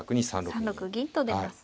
３六銀と出ます。